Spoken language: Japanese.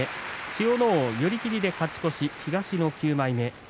千代ノ皇、寄り切りで勝ち越し東の９枚目。